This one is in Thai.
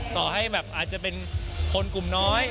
ต่อให้แบบอาจจะเป็นคนกลุ่มน้อย